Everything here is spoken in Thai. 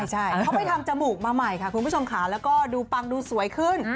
ใช่เขาไปทำจมูกมาใหม่ค่ะคุณผู้ชมค่ะแล้วก็ดูปังดูสวยขึ้น